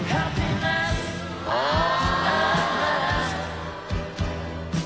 ああ！